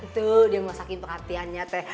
tuh dia masakin perhatiannya teh